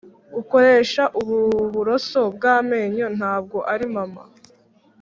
ukoresha ubu buroso bw'amenyo ntabwo ari mama.